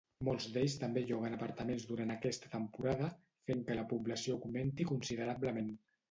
Molts d'ells també lloguen apartaments durant aquesta temporada, fent que la població augmenti considerablement.